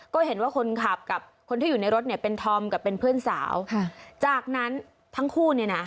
ก็เห็นว่าคนขับกับคนที่อยู่ในรถเนี่ยเป็นธอมกับเป็นเพื่อนสาวค่ะจากนั้นทั้งคู่เนี่ยนะ